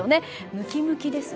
ムキムキですね。